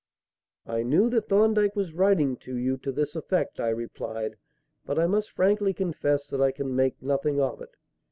"I knew that Thorndyke was writing to you to this effect," I replied, "but I must frankly confess that I can make nothing of it.